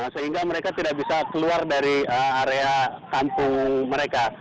sehingga mereka tidak bisa keluar dari area kampung mereka